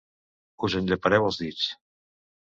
Us en llepareu els dits.